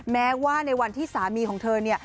แม้ว่าในวันที่สามีของเธอ